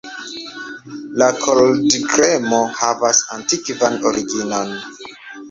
La koldkremo havas antikvan originon.